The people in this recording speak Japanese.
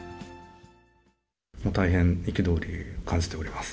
大変憤り、感じております。